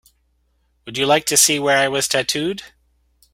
Would you like to see where I was tattooed?